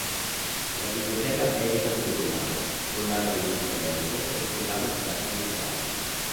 La biblioteca edita due collane: Collana di musiche inedite e Collana di Saggi musicali.